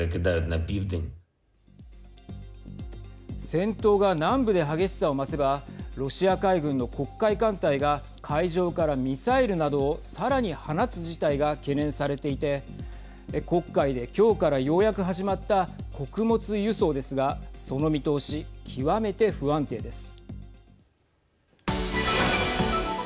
戦闘が南部で激しさを増せばロシア海軍の黒海艦隊が海上からミサイルなどをさらに放つ事態が懸念されていて黒海で今日から、ようやく始まった穀物輸送ですがその見通し、極めて不安定です。